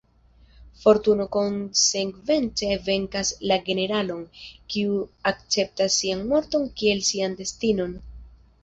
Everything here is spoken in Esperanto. Fortuno konsekvence venkas la generalon, kiu akceptas sian morton kiel sian destinon"".